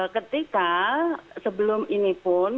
ketika sebelum ini pun